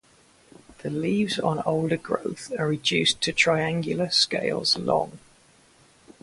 The leaves on older growth are reduced to triangular scales long.